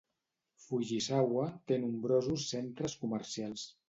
Fujisawa té nombrosos centres comercials.